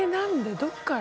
どっから？